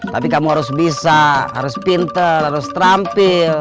tapi kamu harus bisa harus pinter harus terampil